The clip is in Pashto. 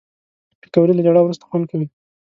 پکورې له ژړا وروسته خوند کوي